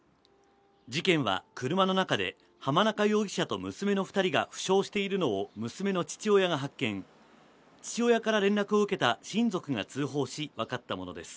事件は車の中で濱中容疑者と娘の二人が負傷しているのを娘の父親が発見父親から連絡を受けた親族が通報し分かったものです